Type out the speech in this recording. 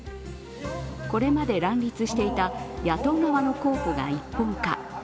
これまで乱立していた野党側の候補が一本化。